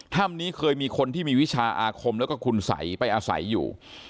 ถ้ำนี้เคยมีคนที่มีวิชาอาคมแล้วก็คุณสัยไปอาศัยอยู่